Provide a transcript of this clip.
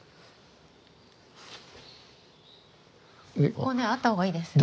ここねあったほうがいいですね。